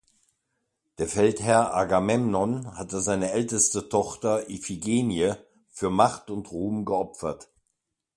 Der Feldherr Agamemnon hatte seine älteste Tochter Iphigenie für Macht und Ruhm geopfert.